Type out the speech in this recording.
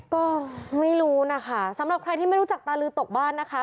ก็ไม่รู้นะคะสำหรับใครที่ไม่รู้จักตาลือตกบ้านนะคะ